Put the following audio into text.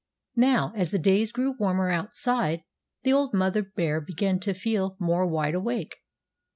Now as the days grew warmer outside the old mother bear began to feel more wide awake.